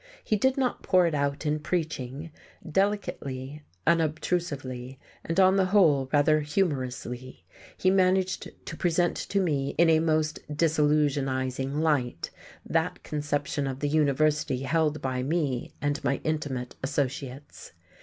He did not pour it out in preaching; delicately, unobtrusively and on the whole rather humorously he managed to present to me in a most disillusionizing light that conception of the university held by me and my intimate associates.